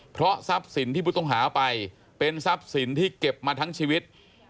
เพราะทรัพย์สินที่ผู้ต้องหาไปเป็นทรัพย์สินที่เก็บมาทั้งชีวิต